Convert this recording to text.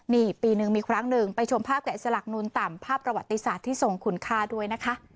นี่ปีหนึ่งมีครั้งหนึ่งไปชมภาพแกะสลักนูลต่ำภาพประวัติศาสตร์ที่ทรงคุณค่าด้วยนะคะ